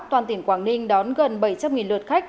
toàn tỉnh quảng ninh đón gần bảy trăm linh lượt khách